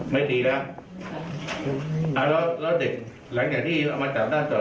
ไม่ตีแล้วแล้วเด็กหลังจากที่เอามาจับด้ามจอบ